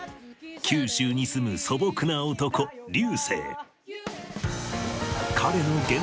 九州に住む素朴な男竜